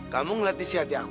kamu ngeliat isi hati aku